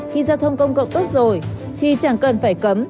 khi giao thông công cộng tốt rồi thì chẳng cần phải cấm